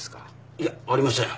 いやありません。